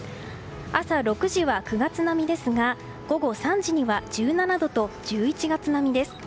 朝６時は９月並みですが午後３時には１７度と１１月並みです。